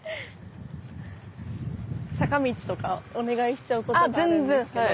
坂道とかお願いしちゃうことがあるんですけど。